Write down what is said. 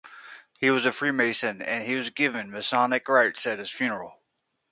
He was a Freemason and he was given Masonic rites at his funeral.